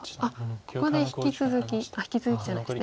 ここで引き続きあっ引き続きじゃないですね。